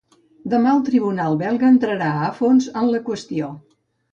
Demà el tribunal belga entrarà a fons en la qüestió.